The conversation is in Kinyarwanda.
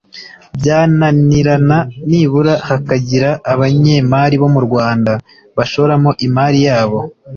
byananirana nibura hakagira abanyemari bo mu Rwanda bashoramo imari yabo